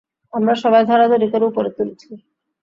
আমরা সবাই ধরাধরি করে উপরে তুলছি।